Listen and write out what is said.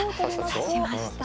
指しました。